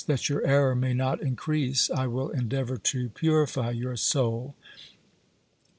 That your error may not increase, I will endeavour to purify your soul.'